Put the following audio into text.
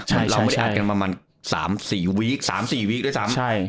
เราไม่ได้อัดกันประมาณ๓๔วีคด้วยซ้ำ